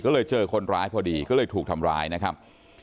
ก็เลยเจอคนร้ายพอดีก็เลยถูกทำร้ายนะครับ